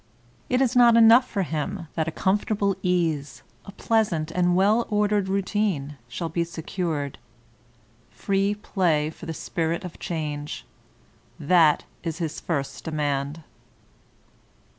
It is not enough for him that a comfortable ease, a pleasant and well ordered routine, shall be secured ; free play for the spirit of change — ^that is his first demand.